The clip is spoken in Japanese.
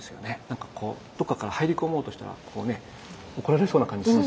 何かこうどっかから入り込もうとしたらこうね怒られそうな感じしますよね。